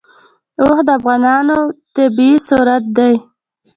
اوښ د افغانستان طبعي ثروت دی.